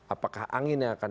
apakah anginnya akan